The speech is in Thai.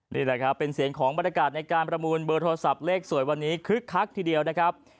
นี่แหละครับเป็นเสียงของบรรยากาศในการประมูลเบอร์โทรศัพท์เลขสวยวันนี้คึกคักทีเดียวนะครับ